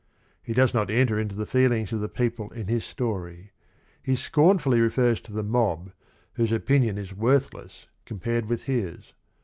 He does not enter int o the feelings of the people in his story. H e scorn fully refers to the "mob" whose opinion is worth less compared with his.